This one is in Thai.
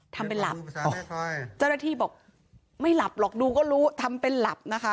ทำเป็นหลับเจ้าหน้าที่บอกไม่หลับหรอกดูก็รู้ทำเป็นหลับนะคะ